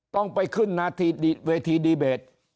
ต้องไปขึ้นเวทีดีเบต